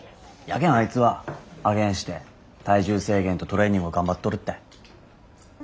やけんあいつはあげんして体重制限とトレーニングを頑張っとるったい。